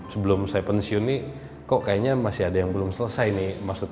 sebelum saya pensiun nih kok kayaknya masih ada yang belum selesai nih